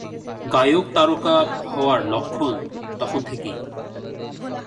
গায়ক-তারকা হওয়ার লক্ষণ তখন থেকেই।